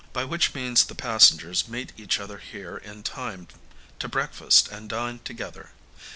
by which means the passengers meet each other here in time to breakfast and dine together.